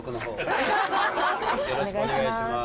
よろしくお願いします。